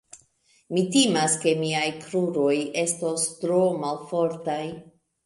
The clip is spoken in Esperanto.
Mi timas, ke miaj kruroj estos tro malfortaj.